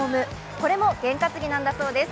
これも験担ぎなんだそうです。